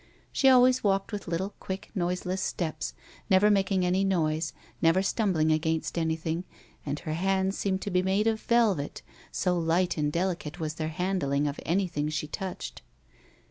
She always walked with little, quick, noiseless steps, never making any noise, never stumbling against anything, and her hands seemed to be made of velvet, so light and delicate was their handling of anything she touched.